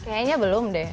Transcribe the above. kayaknya belum deh